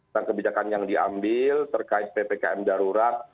dan kebijakan yang diambil terkait ppkm darurat